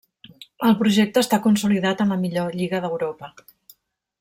El projecte està consolidat en la millor lliga d'Europa.